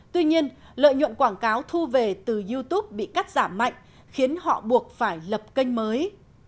tuy nhiên lợi nhuận quảng cáo thu về từ youtube bị cắt giảm mạnh khiến họ buộc phải lập kênh mới